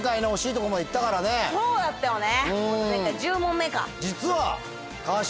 そうだったよね。